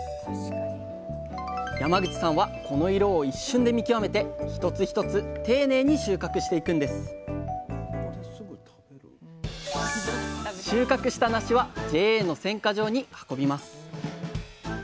山口さんはこの色を一瞬で見極めて一つ一つ丁寧に収穫していくんです収穫したなしはＪＡの選果場に運びます。